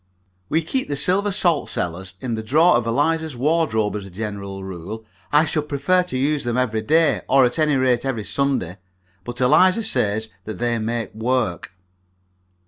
We keep the silver salt cellars in the drawer of Eliza's wardrobe as a general rule. I should prefer to use them every day, or at any rate every Sunday. But Eliza says that they make work.